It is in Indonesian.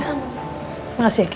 terima kasih ki